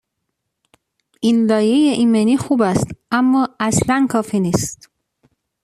این لایه ایمنی خوب است اما اصلا کافی نیست.